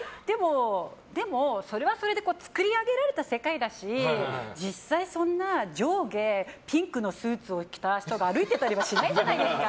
でも、それはそれで作り上げられた世界だし実際、そんな上下ピンクのスーツを着た人が歩いていたりはしないじゃないですか。